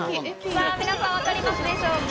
皆さん、分かりますでしょうか？